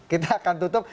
kita akan tutup